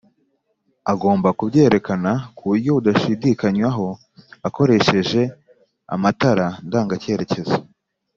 agomba kubyerekana kuburyo budashidikanywaho akoresheje amatara ndanga cyerekezo